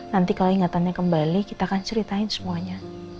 nanti kalau ingatannya kembali kita akan ceritain semuanya